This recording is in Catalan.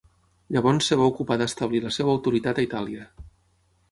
Llavors es va ocupar d'establir la seva autoritat a Itàlia.